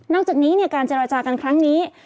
จากนี้การเจรจากันครั้งนี้